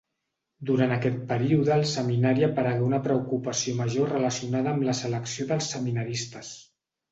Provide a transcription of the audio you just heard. Durant aquest període al seminari aparegué una preocupació major relacionada amb la selecció dels seminaristes.